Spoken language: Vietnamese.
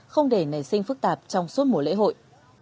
không để nảy sinh phức tạp trong suốt mùa lễ hội